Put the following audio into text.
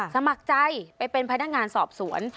สมัครใจไปเป็นพนักงานสอบสวน